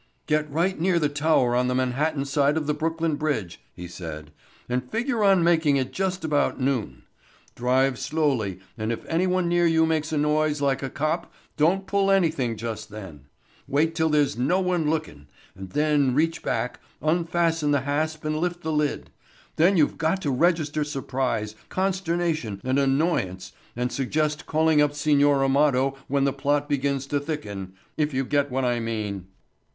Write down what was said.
"Get right near the tower on the Manhattan side of the Brooklyn bridge," he said, "and figure on making it at just about noon. Drive slowly and if anyone near you makes a noise like a cop don't pull anything just then. Wait till there's no one lookin' and then reach back, unfasten the hasp and lift the lid. Then you've got to register surprise, consternation and annoyance and suggest calling up Signor Amado when the plot begins to thicken, if you get what I mean."